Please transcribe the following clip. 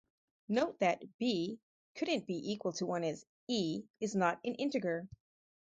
Note that "b" couldn't be equal to one as "e" is not an integer.